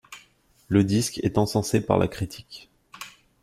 Le disque est encensé par la critique.